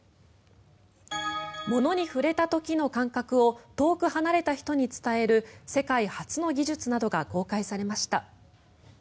物に触れた時の感覚を遠く離れた人に伝える世界初の技術などが公開されました。